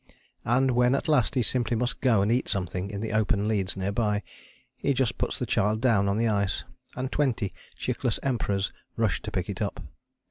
And when at last he simply must go and eat something in the open leads near by, he just puts the child down on the ice, and twenty chickless Emperors rush to pick it up.